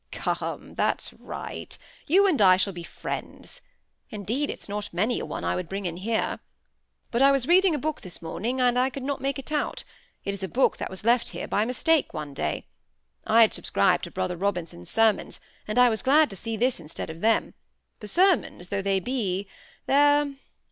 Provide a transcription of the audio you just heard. "Come, that's right. You and I shall be friends. Indeed, it's not many a one I would bring in here. But I was reading a book this morning, and I could not make it out; it is a book that was left here by mistake one day; I had subscribed to Brother Robinson's sermons; and I was glad to see this instead of them, for sermons though they be, they're